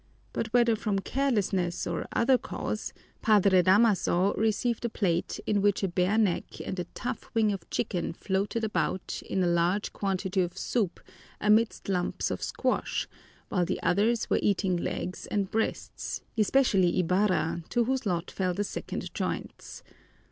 But whether from carelessness or other cause, Padre Damaso received a plate in which a bare neck and a tough wing of chicken floated about in a large quantity of soup amid lumps of squash, while the others were eating legs and breasts, especially Ibarra, to whose lot fell the second joints.